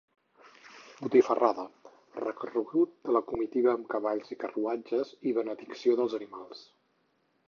Botifarrada, recorregut de la comitiva amb cavalls i carruatges i benedicció dels animals.